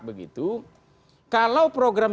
begitu kalau program